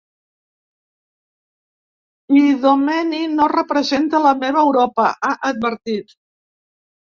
Idomeni no representa la meva Europa, ha advertit.